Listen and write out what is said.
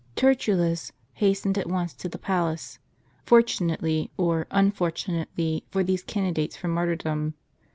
f( ERTULLFS hastened at once to the pal ace: fortunately, or unfortunately, for these candidates for martyrdom.